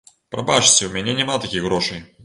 Прабачце, у мяне няма такіх грошай.